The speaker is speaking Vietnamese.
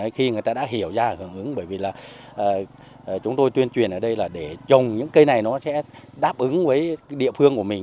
khi người ta đã hiểu ra và hưởng ứng bởi vì là chúng tôi tuyên truyền ở đây là để trồng những cây này nó sẽ đáp ứng với địa phương của mình